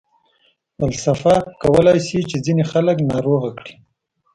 فلسفه کولای شي چې ځینې خلک ناروغه کړي.